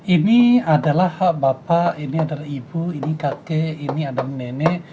ini adalah hak bapak ini adalah ibu ini kakek ini ada nenek